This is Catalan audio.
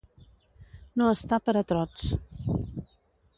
No estar per a trots.